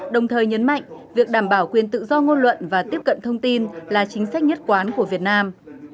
đồng thời nhấn mạnh việc đảm bảo quyền tự do ngôn luận và tiếp cận thông tin là chính sách nhất quán của việt nam